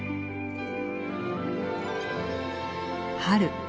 春。